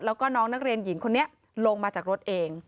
แล้วก็น้องนักเรียนหญิงคนนี้ลงมาจากรถเอง